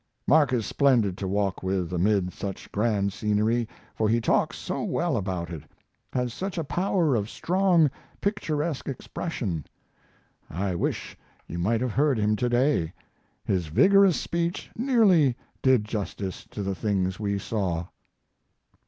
Mark is splendid to walk with amid such grand scenery, for he talks so well about it, has such a power of strong, picturesque expression. I wish you might have heard him to day. His vigorous speech nearly did justice to the things we saw.